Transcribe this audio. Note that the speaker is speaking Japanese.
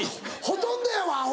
ほとんどやわアホ！